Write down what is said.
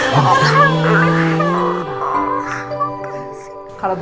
kalau begitu saya permisi dulu ya